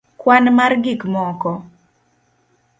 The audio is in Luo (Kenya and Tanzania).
kwan mar gik moko?